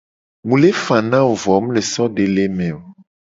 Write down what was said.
Mu le fa na wo a vo a wo mu le so de le eme o.